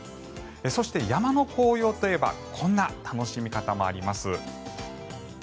そして、山の紅葉といえばこんな楽しみ方もあります。